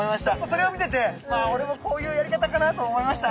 それを見ててまあ俺もこういうやり方かなと思いました。